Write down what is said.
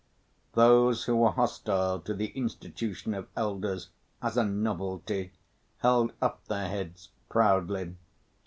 Those who were hostile to the institution of elders, as a novelty, held up their heads proudly.